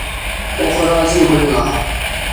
اوخ راضی ھوینگا